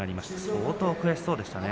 相当悔しそうでしたね